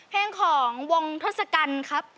เพลงของวงทศกัณฐ์ครับ